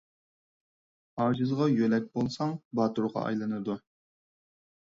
ئاجىزغا يۆلەك بولساڭ، باتۇرغا ئايلىنىدۇ.